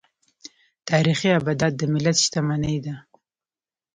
تاریخي ابدات د ملت شتمني ده.